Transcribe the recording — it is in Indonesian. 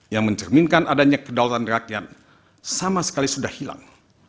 yang mencerminkan adanya kedaulatan rakyat sama sekali sudah hilang